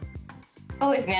そうですね。